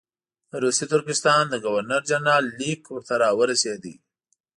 د روسي ترکستان د ګورنر جنرال لیک ورته راورسېد.